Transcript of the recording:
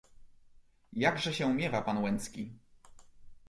"Jakże się miewa pan Łęcki?"